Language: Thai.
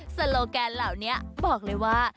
โลแกนเหล่านี้บอกเลยว่า